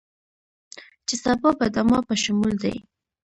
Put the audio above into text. چې سبا به دما په شمول دې